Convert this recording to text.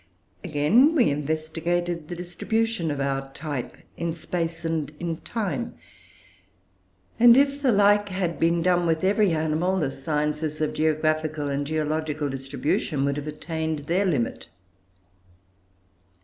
Again, we investigated the distribution of our type in space and in time, and, if the like had been done with every animal, the sciences of geographical and geological distribution would have attained their limit.